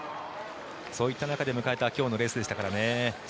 そういった中で迎えた今日のレースでしたからね。